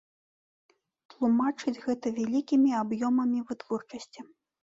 Тлумачыць гэта вялікімі аб'ёмамі вытворчасці.